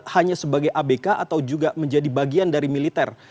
hanya sebagai abk atau juga menjadi bagian dari militer